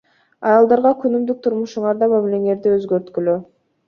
Аялдарга күнүмдүк турмушуңарда мамилеңерди өзгөрткүлө.